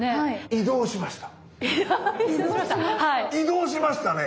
移動しましたね。